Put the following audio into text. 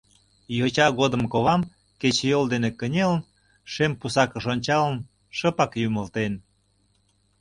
Йоча годым ковам, Кечыйол ден кынелын, Шем пусакыш ончалын, Шыпак юмылтен.